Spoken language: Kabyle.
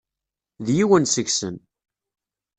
D yiwen seg-sen.